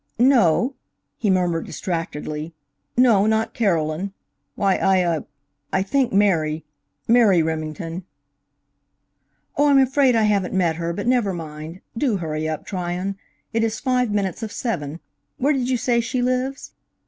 "No," he murmured distractedly; "no, not Carolyn. Why, I ah I think Mary Mary Remington." "Oh, I'm afraid I haven't met her, but never mind. Do hurry up, Tryon. It is five minutes of seven. Where did you say she lives?"